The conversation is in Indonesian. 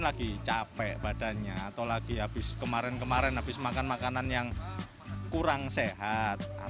lagi capek badannya atau lagi habis kemarin kemarin habis makan makanan yang kurang sehat